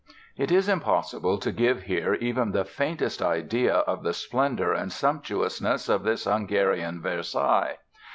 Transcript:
It is impossible to give here even the faintest idea of the splendor and sumptuousness of this "Hungarian Versailles".